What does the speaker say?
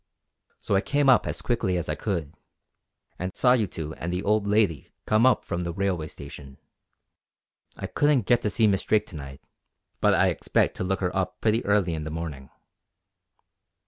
So I came up as quickly as I could, and saw you two and the old lady come up from the railway station. I couldn't get to see Miss Drake to night; but I expect to look her up pretty early in the morning."